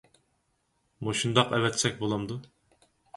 مۇشۇنداق ئەۋەتسەك بولامدۇ؟